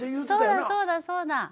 そうだそうだそうだ。